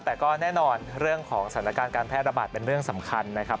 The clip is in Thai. แต่ก็แน่นอนเรื่องของสถานการณ์การแพร่ระบาดเป็นเรื่องสำคัญนะครับ